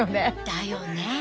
だよね。